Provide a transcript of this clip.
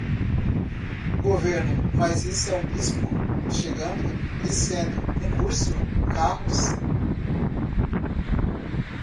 governo, mas isso é um bispo, chegando, e sendo, um curso, carros